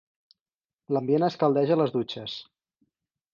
L'ambient es caldeja a les dutxes.